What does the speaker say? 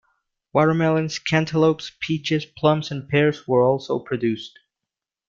Watermelons, cantaloupes, peaches, plums, and pears were also produced.